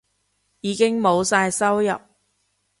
已經冇晒收入